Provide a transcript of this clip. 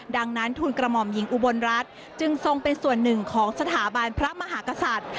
ดังนั้นทุนกระหม่อมหญิงอุบลรัฐจึงทรงเป็นส่วนหนึ่งของสถาบันพระมหากษัตริย์